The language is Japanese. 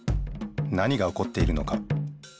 何がおこっているのか。